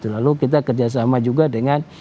lalu kita kerjasama juga dengan